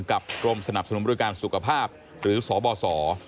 กรมสนับสนุนบริการสุขภาพหรือสบส